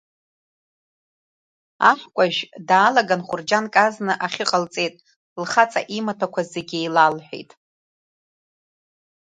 Аҳкәажә даалаган, хәырџьанк азна ахьы ҟалҵеит, лхаҵа имаҭәақәа зегьы иеилалҳәеит…